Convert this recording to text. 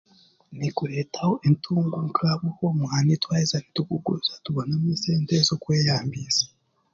Nikureetaho entunguuka ahabwokuba omwani twaheeza tuti kuguguza turabunamu esente z'okweyambiisa.